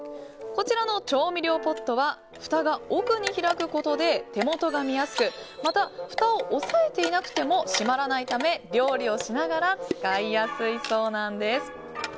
こちらの調味料ポットはふたが奥に開くことで手元が見やすくまた、ふたを押さえていなくても閉まらないため、料理をしながら使いやすいそうなんです。